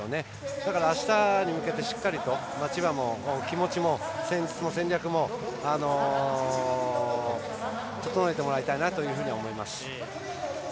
だからあしたに向けてしっかりと千葉は気持ちも戦術も戦略も整えてもらいたいなというふうに思います。